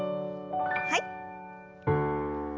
はい。